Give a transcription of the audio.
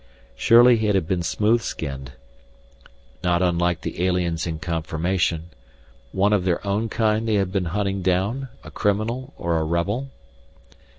Surely it had been smooth skinned, not unlike the aliens in conformation one of their own kind they had been hunting down, a criminal or a rebel?